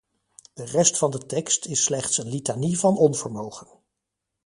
De rest van de tekst is slechts een litanie van onvermogen.